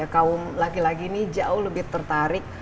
kaum laki laki ini jauh lebih tertarik